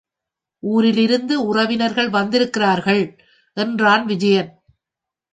ஊரிலிருந்து உறவினர்கள் வந்திருக்கிறார்கள், என்றான் விஜயன்.